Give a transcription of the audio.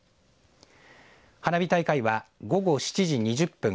花火大会は午後７時２０分